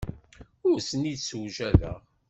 Ur ten-id-ssewjadeɣ.